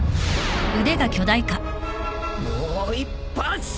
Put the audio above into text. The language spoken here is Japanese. もう一発。